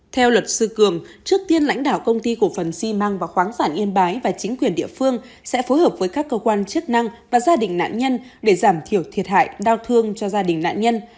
theo luật sư cường trước tiên lãnh đạo công ty cổ phần xi măng và khoáng sản yên bái và chính quyền địa phương sẽ phối hợp với các cơ quan chức năng và gia đình nạn nhân để giảm thiểu thiệt hại đau thương cho gia đình nạn nhân